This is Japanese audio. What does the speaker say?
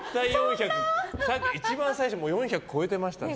一番最初も４００ｇ超えてましたよ。